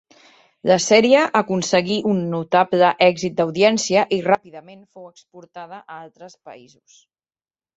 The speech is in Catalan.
La sèrie aconseguí un notable èxit d'audiència i ràpidament fou exportada a altres països.